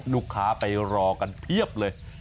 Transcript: ลูกค้าไปรอกันเพียบเลย